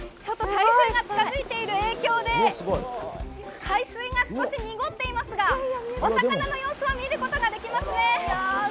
台風が近づいている影響で海水が少し濁っていますがお魚の様子は見ることができますね。